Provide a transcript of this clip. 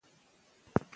لوستونکی دا احساسوي.